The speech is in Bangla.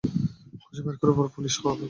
খুঁজে বের করার পর আমি পুলিশ হব।